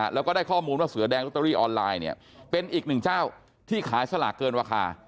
แล้วก็ได้ข้อมูลว่าเสือแดงลอตเตอรี่ออนไลน์เนี่ยเป็นอีกหนึ่งเจ้าที่ขายสลากเกินราคา